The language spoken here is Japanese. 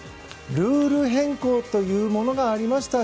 ルール変更というものがありました。